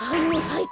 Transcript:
はい。